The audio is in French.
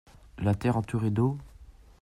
De la terre entourée d’eau ?